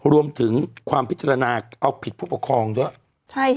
รวมถึงความพิจารณาเอาผิดผู้ปกครองด้วยใช่ค่ะ